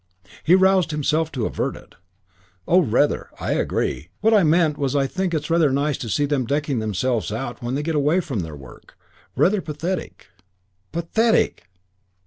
He roused himself to avert it. "Oh, rather. I agree. What I meant was I think it's rather nice to see them decking themselves out when they get away from their work. Rather pathetic." "Pathetic!"